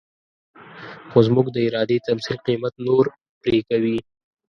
خو زموږ د ارادې تمثيل قيمت نور پرې کوي.